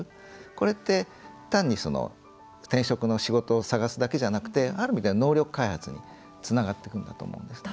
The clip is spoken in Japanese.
これって単に転職の仕事を探すだけじゃなくてある意味では能力開発につながってくんだと思うんですね。